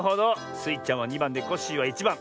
スイちゃんは２ばんでコッシーは１ばん。